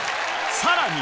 さらに。